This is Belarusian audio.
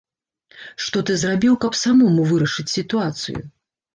Што ты зрабіў, каб самому вырашыць сітуацыю?